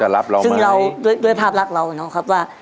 เขาจะรับเราไหมซึ่งเราด้วยภาพรักเรานะครับว่า